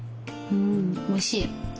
うんおいしい。